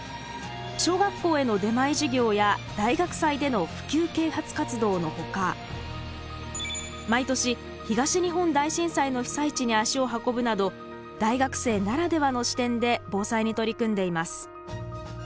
小学校への出前授業や大学祭での普及啓発活動のほか毎年東日本大震災の被災地に足を運ぶなど大学生ならではの視点で防災に取り組んでいます。